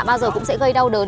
bao giờ cũng sẽ gây đau đớn